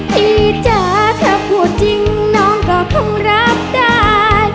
พี่จ้าถ้าหัวจริงน้องก็คงรักได้